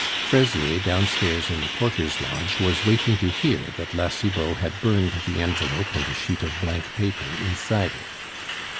Fraisier downstairs in the porter's lodge was waiting to hear that La Cibot had burned the envelope and the sheet of blank paper inside it.